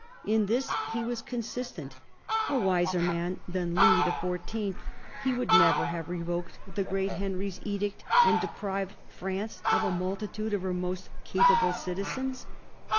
In this he was consistent : a wiser man than Louis XIV., he would never have revoked the great Henry's edict and deprived France of a multitude of her most capable citizens.